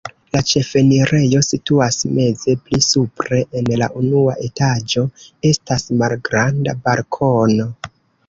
La ĉefenirejo situas meze, pli supre en la unua etaĝo estas malgranda balkono.